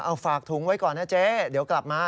เอาฝากถุงไว้ก่อนนะเจ๊เดี๋ยวกลับมา